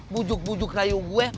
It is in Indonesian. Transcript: bujuk bujuk rayu gue